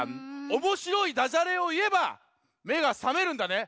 おもしろいダジャレをいえばめがさめるんだね？